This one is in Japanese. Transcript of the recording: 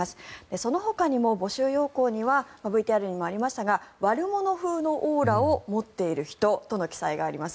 そのほかにも募集要項にはＶＴＲにもありましたが悪者風のオーラを持っている人との記載があります。